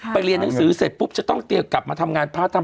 เรียนหนังสือเสร็จปุ๊บจะต้องเตรียมกลับมาทำงานพระธรรม